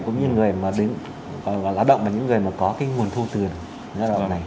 cũng như người mà lã động và những người mà có cái nguồn thu từ gia động này